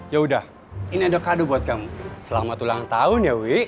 ya udah ini ada kado buat kamu selamat ulang tahun ya wi